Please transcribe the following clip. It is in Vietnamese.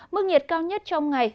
mức nhiệt cao nhất trong ngày